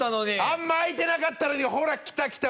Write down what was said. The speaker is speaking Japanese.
あんまり開いてなかったのにほら来た来た！